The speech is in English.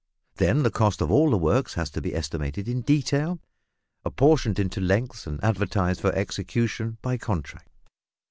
Then the cost of all the works has to be estimated in detail, apportioned into lengths and advertised for execution by contract.